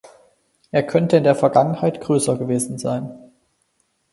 Er könnte in der Vergangenheit größer gewesen sein.